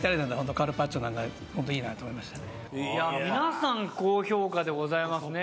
Г気高評価でございますね。